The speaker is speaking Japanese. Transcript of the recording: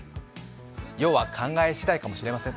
要は考え次第かもしれません。